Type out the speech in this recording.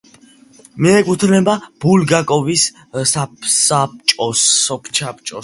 მიეკუთვნება ბულგაკოვის სოფსაბჭოს.